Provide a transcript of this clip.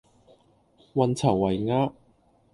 運籌帷幄